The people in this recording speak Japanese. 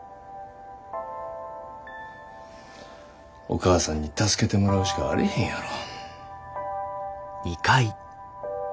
お義母さんに助けてもらうしかあれへんやろ。